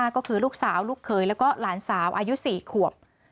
ก็คือลูกสาวลูกเขยแล้วก็หลานสาวอายุ๔ขวบ